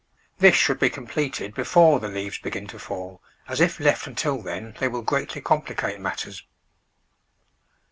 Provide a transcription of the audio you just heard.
This should be completed before the leaves begin to fall, as if left until then they will greatly complicate matters.